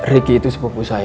ricky itu sepupu saya